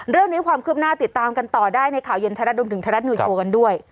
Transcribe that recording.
เรื่องนี้ความคืบหน้าติดตามกันต่อได้ในข่าวเย็นไทยรัฐดุมถึงไทยรัฐนิวโชว์กันด้วย